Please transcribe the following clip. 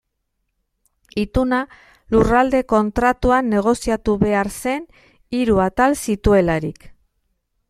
Ituna Lurralde Kontratuan negoziatu behar zen, hiru atal zituelarik.